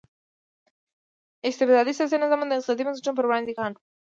استبدادي سیاسي نظامونه د اقتصادي بنسټونو پر وړاندې خنډ وو.